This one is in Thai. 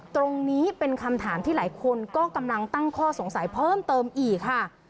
ตรงนี้เป็นคำถามที่หลายคนก็กำลังตั้งข้อสงสัยเพิ่มเติมอีกค่ะ